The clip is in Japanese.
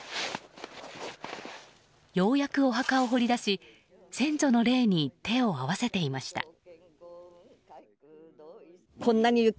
ようやくお墓を掘り出し先祖の霊に手を合わせていました。